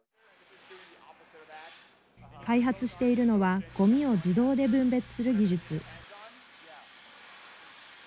開発しているのはごみを自動で分別する技術。